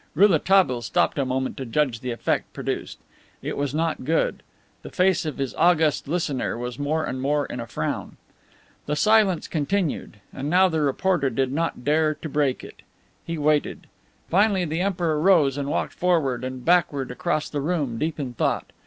Rouletabille stopped a moment to judge of the effect produced. It was not good. The face of his august listener was more and more in a frown. The silence continued, and now the reporter did not dare to break it. He waited. Finally, the Emperor rose and walked forward and backward across the room, deep in thought.